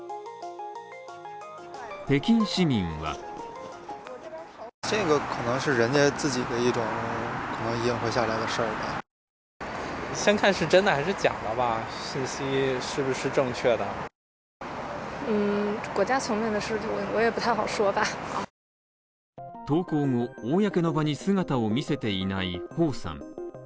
北京市民は投稿後公の場に姿を見せていないホウさん